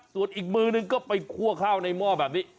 ส่วนอีกมือนึงก็ไปคั่วข้าวในหม้อแบบนี้